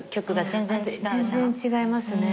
全然違いますね